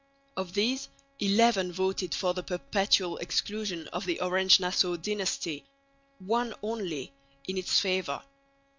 Of these eleven voted for the perpetual exclusion of the Orange Nassau dynasty, one only in its favour.